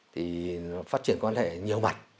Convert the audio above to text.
thì phát triển quan hệ nhiều mặt